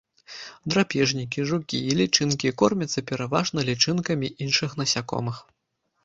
Драпежнікі, жукі і лічынкі кормяцца пераважна лічынкамі іншых насякомых.